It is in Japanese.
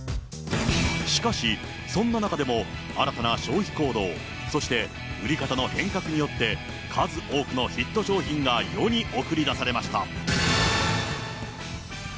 しかし、そんな中でも新たな消費行動、そして売り方の変革によって、数多くのヒット商品が世に送り出されました。